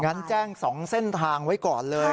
งั้นแจ้ง๒เส้นทางไว้ก่อนเลย